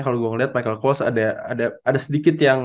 kalau gue lihat michael kowals ada sedikit yang